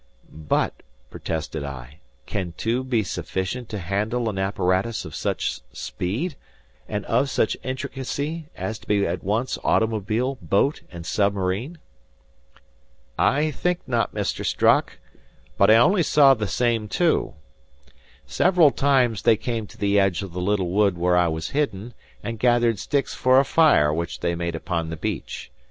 "But," protested I, "can two be sufficient to handle an apparatus of such speed, and of such intricacy, as to be at once automobile, boat and submarine?" "I think not, Mr. Strock; but I only saw the same two. Several times they came to the edge of the little wood where I was hidden, and gathered sticks for a fire which they made upon the beach.